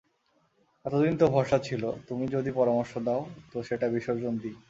এতদিন তো ভরসা ছিল, তুমি যদি পরামর্শ দাও তো সেটা বিসর্জন দিই।